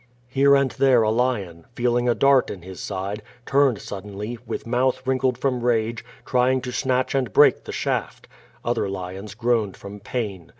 Here and there a lion, feeling a dart in his side, turned suddenly, with mouth wrinkled from rage, trying to snatch and break the shaft. Other lions groaned from pain.